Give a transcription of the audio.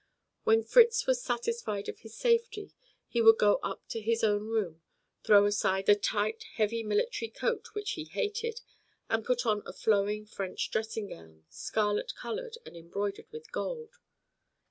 When Fritz was satisfied of his safety, he would go up to his own room, throw aside the tight, heavy military coat which he hated, and put on a flowing French dressing gown, scarlet colored, and embroidered with gold.